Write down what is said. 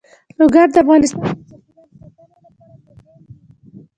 لوگر د افغانستان د چاپیریال ساتنې لپاره مهم دي.